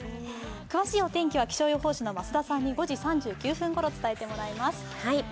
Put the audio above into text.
詳しいお天気は気象予報士の増田さんに５時３９分ごろ伝えてもらいます。